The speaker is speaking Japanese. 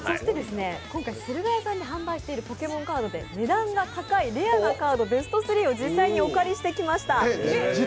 今回駿河屋さんで販売している値段が高いレアなカードベスト３をお借りしてきました。